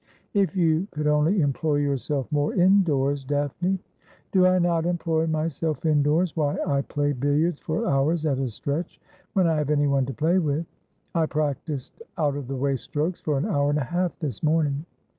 ' If you could only employ yourself more indoors, Daphne.' ' Do I not employ myself indoors ? Why, I play billiards for hours at a stretch when I have anyone to play with. I practised out of the way strokes for an hour and a half this morning.'